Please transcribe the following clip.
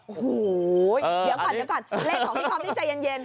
โอ้โฮเดี๋ยวก่อนเลขของพี่คอมนี่ใจเย็น